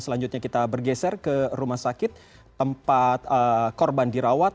selanjutnya kita bergeser ke rumah sakit tempat korban dirawat